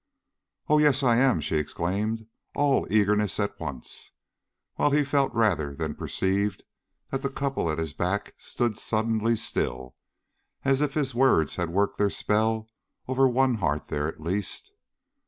"Oh, yes, I am," she exclaimed, all eagerness at once, while he felt rather than perceived that the couple at his back stood suddenly still, as if his words had worked their spell over one heart there at least.